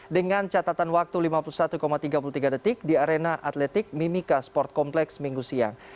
dengan catatan waktu lima puluh satu tiga puluh tiga detik di arena atletik mimika sport kompleks minggu siang